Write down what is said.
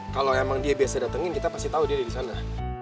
kalau emang dia biasa datengin kita pasti tahu dia ada di sana